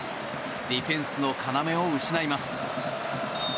ディフェンスの要を失います。